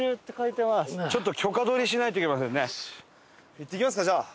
行ってきますかじゃあ。